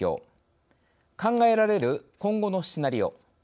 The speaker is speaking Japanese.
考えられる今後のシナリオ。